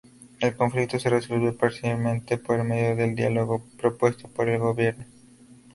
El conflicto se resolvió parcialmente por medio del diálogo propuesto por el gobierno.